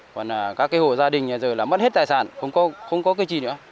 còn các cái hộ gia đình này giờ là mất hết tài sản không có cái gì nữa